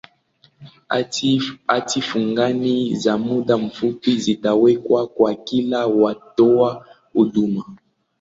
hati fungani za muda mfupi zitawekwa kwa kila watoa huduma